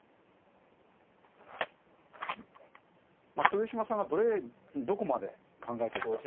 豊島さんがどこまで考えてるか。